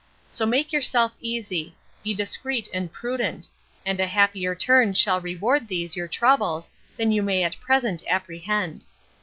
So make yourself easy; be discreet and prudent; and a happier turn shall reward these your troubles, than you may at present apprehend.